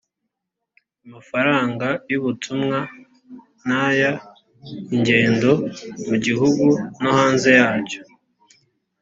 amafaranga y ubutumwa n ay ingendo mu gihugu no hanze yacyo